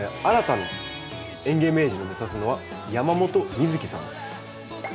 新たに園芸名人を目指すのは山本美月さんです。